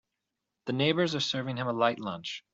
The neighbors are serving him a light lunch.